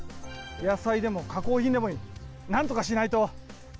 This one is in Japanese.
野菜でも加工品でもいい、なんとかしないと。